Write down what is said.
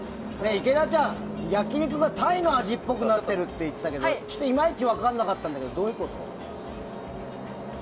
池田ちゃん、焼き肉がタイの味っぽくなってるって言ってたけどいまいち分からなかったけどどういうこと？